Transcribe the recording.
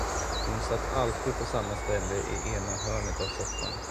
Hon satt alltid på samma ställe, i ena hörnet av soffan.